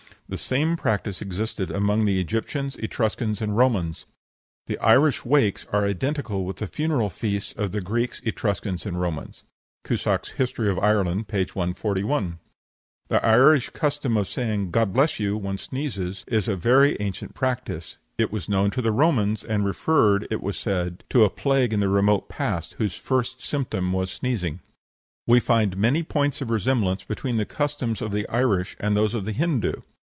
The same practice existed among the Egyptians, Etruscans, and Romans. The Irish wakes are identical with the funeral feasts of the Greeks, Etruscans, and Romans. (Cusack's "History of Ireland," p. 141.) The Irish custom of saying "God bless you!" when one sneezes, is a very ancient practice; it was known to the Romans, and referred, it is said, to a plague in the remote past, whose first symptom was sneezing. We find many points of resemblance between the customs of the Irish and those of the Hindoo.